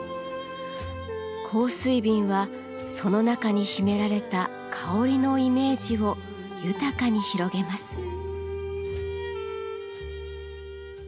香水瓶はその中に秘められた香りのイメージを豊かに広げます。